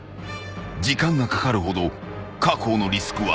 ［時間がかかるほど確保のリスクは高まる］